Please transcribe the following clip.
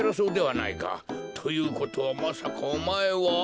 ということはまさかおまえは。